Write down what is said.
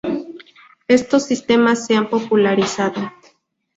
Estos sistemas se han popularizado.